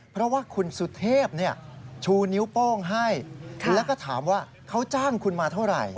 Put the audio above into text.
เพราะว่าคุณสุเทพชูนิ้วโป้งให้แล้วก็ถามว่าเขาจ้างคุณมาเท่าไหร่